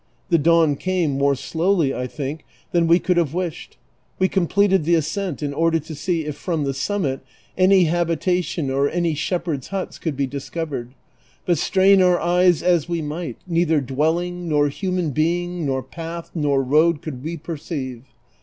The dawn came, more slowly, I think, than we could have wished ; we completed the ascent in oi'der to see if from the summit any habi tation or any shepherd's luits could be discovered, but strain our eyes as we might, neither dwelling, nor human being, nor path nor road could we perceive.